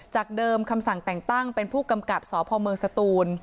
เดิมคำสั่งแต่งตั้งเป็นผู้กำกับสพเมืองสตูน